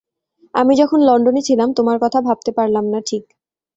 আমি যখন লন্ডনে ছিলাম, তোমার কথা ভাবতে পারলাম না -ঠিক।